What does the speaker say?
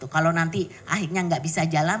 kalau nanti akhirnya nggak bisa jalan